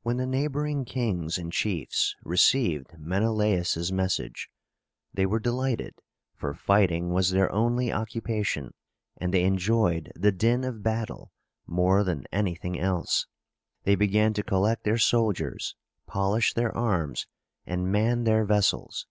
When the neighboring kings and chiefs received Menelaus' message, they were delighted; for fighting was their only occupation, and they enjoyed the din of battle more than anything else. They began to collect their soldiers, polish their arms, and man their vessels.